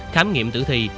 khám nghiệm tử thi